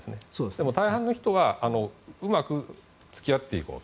でも大半の人はうまく付き合っていこう。